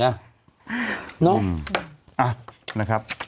เนอะอ่านะครับ